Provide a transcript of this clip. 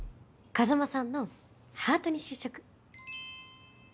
風真さんのハートに就職。